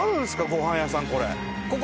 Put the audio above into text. ごはん屋さんこれ。